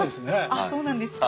あっそうなんですか。